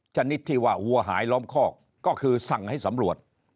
ชนิดที่ว่าวัวหายล้อมคอกก็คือสั่งให้สำรวจ